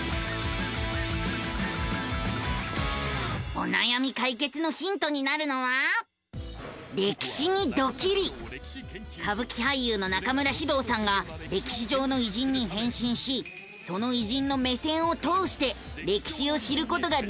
おなやみ解決のヒントになるのは歌舞伎俳優の中村獅童さんが歴史上の偉人に変身しその偉人の目線を通して歴史を知ることができる番組なのさ！